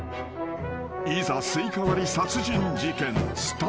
［いざスイカ割り殺人事件スタート］